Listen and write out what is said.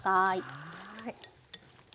はい。